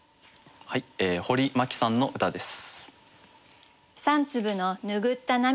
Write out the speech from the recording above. はい堀眞希さんの歌です。